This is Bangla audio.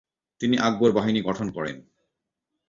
তিনি আকবর বাহিনী গঠন করেন।